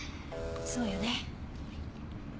そうよね。